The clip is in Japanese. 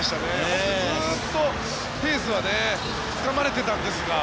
本当にずっとペースはつかまれていたんですが。